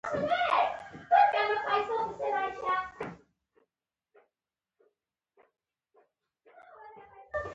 زیار ایستل څه مېوه ورکوي؟